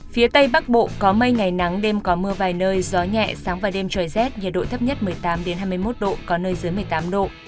phía tây bắc bộ có mây ngày nắng đêm có mưa vài nơi gió nhẹ sáng và đêm trời rét nhiệt độ thấp nhất một mươi tám hai mươi một độ có nơi dưới một mươi tám độ